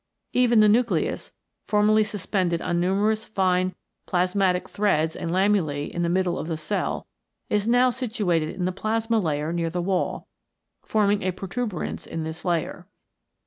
Even the nucleus, formerly suspended on numerous fine plasmatic threads and lamellae in the middle of the cell, is now situated in the plasma layer near the wall, forming a protuberance in this layer.